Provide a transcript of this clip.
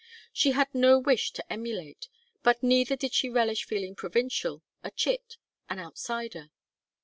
She had no wish to emulate, but neither did she relish feeling provincial, a chit, an outsider.